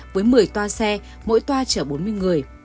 với một mươi toa xe mỗi toa chở bốn mươi người